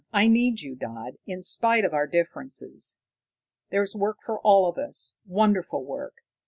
I need you, Dodd, in spite of our differences. There's work for all of us, wonderful work.